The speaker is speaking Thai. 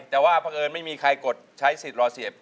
แต่ว่าเพราะเอิญไม่มีใครกดใช้สิทธิ์รอเสียบ